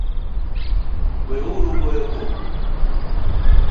Weuru goyo koko